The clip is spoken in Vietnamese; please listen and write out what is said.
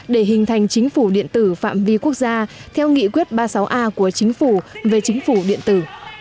để hình thành chính phủ điện tử phạm vi quốc gia theo nghị quyết ba mươi sáu a của chính phủ về chính phủ điện tử